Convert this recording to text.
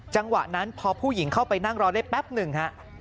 จังหวะนั้นพอผู้หญิงเข้าไปนั่งรอได้แป๊บหนึ่งฮะ